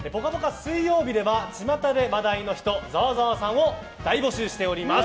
水曜日ではちまたで話題の人ざわざわさんを大募集しています。